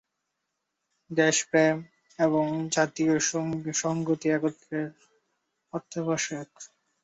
দেশপ্রেম এবং জাতীয় সঙ্ঘতি একত্রে অত্যাবশ্যক।